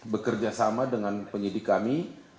bekerjasama dengan penyidik kami